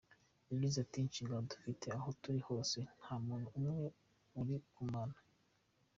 Yagize ati: ”Inshingano dufite aho turi hose, nta muntu umwe uri kamara.